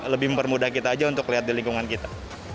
lebih mempermudah kita aja untuk lihat di lingkungan kita